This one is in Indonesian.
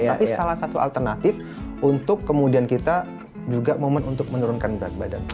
tapi salah satu alternatif untuk kemudian kita juga momen untuk menurunkan berat badan